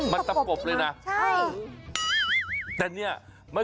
มันตับกบเลยนะใช่